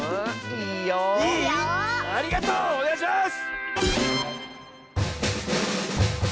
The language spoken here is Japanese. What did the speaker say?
いい⁉ありがとう！おねがいします！